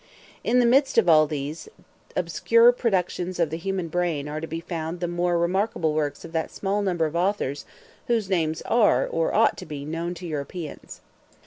In the midst of all these obscure productions of the human brain are to be found the more remarkable works of that small number of authors, whose names are, or ought to be, known to Europeans.